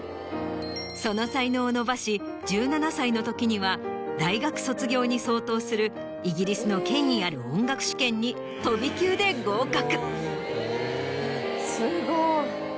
その才能を伸ばし１７歳のときには大学卒業に相当するイギリスの権威ある音楽試験に飛び級で合格。